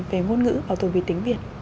về ngôn ngữ bảo tồn về tiếng việt